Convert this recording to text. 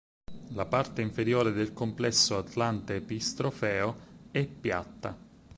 La parte inferiore del complesso atlante-epistrofeo è piatta.